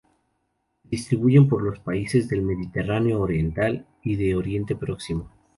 Se distribuyen por los países del Mediterráneo oriental y de Oriente Próximo.